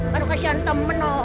kalo kasihan temen oh